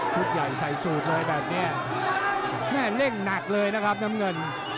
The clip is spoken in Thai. ใหญ่ใส่สูตรเลยแบบนี้แม่เร่งหนักเลยนะครับน้ำเงิน